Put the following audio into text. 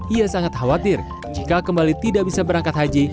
ia sangat khawatir jika kembali tidak bisa berangkat haji